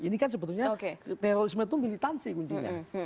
ini kan sebetulnya terorisme itu militansi kuncinya